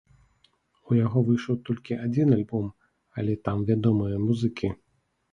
У яго выйшаў толькі адзін альбом, але там вядомыя музыкі.